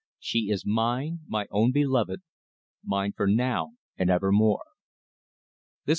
She is mine my own beloved mine for now and evermore. THE END.